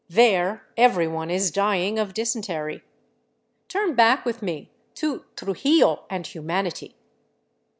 " There everyone is dying of dysentery. Turn back with me to Tru jillo and humanity."